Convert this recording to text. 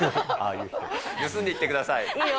盗んできてください。